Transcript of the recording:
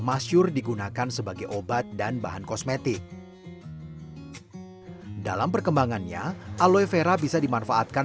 masyur digunakan sebagai obat dan bahan kosmetik dalam perkembangannya aloe vera bisa dimanfaatkan